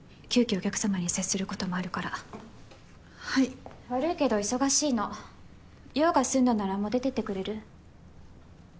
お客様に接することもあるからはい悪いけど忙しいの用が済んだならもう出てってくれる？